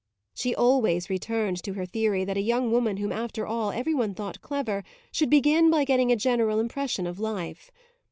She always returned to her theory that a young woman whom after all every one thought clever should begin by getting a general impression of life.